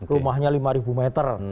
rumahnya lima ribu meter